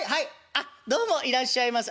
あっどうもいらっしゃいませ。